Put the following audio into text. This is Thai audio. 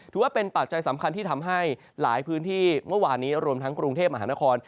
ปัจจัยสำคัญที่ทำให้หลายพื้นที่เมื่อวานนี้รวมทั้งกรุงเทพมหานคร